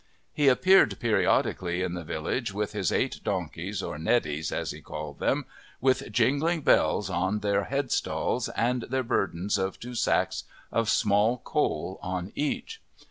He appeared periodically in the villages with his eight donkeys, or neddies as he called them, with jingling bells on their headstalls and their burdens of two sacks of small coal on each.